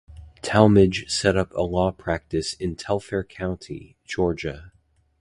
Talmadge set up a law practice in Telfair County, Georgia.